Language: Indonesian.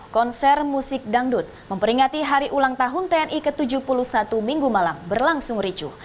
konser musik dangdut memperingati hari ulang tahun tni ke tujuh puluh satu minggu malam berlangsung ricuh